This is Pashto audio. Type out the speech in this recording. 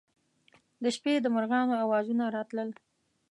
د شپې د مرغانو اوازونه راتلل.